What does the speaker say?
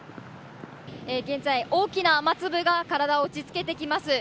現在、大きな雨粒が体を打ちつけてきます。